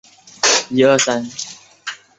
毛叶杯锥为壳斗科锥属下的一个种。